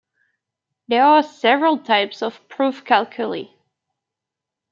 There are several types of proof calculi.